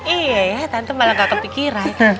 iya ya tentu malah gak kepikiran